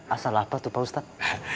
asal apa tuh pak ustadz